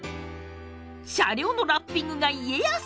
車両のラッピングが家康！？